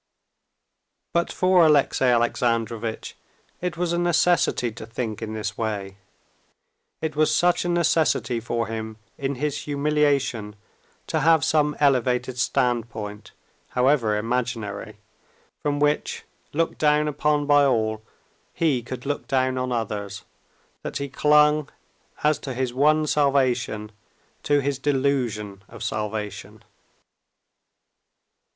But for Alexey Alexandrovitch it was a necessity to think in that way; it was such a necessity for him in his humiliation to have some elevated standpoint, however imaginary, from which, looked down upon by all, he could look down on others, that he clung, as to his one salvation, to his delusion of salvation.